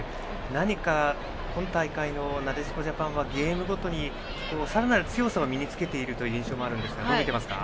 何か今大会のなでしこジャパンはゲームごとにさらなる強さを身につけているという印象もあるんですがどう見ていますか？